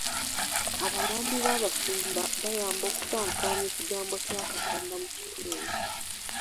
Abayambi b'abasumba bayamba okusaasaanya ekigambo kya Katonda mu kitundu.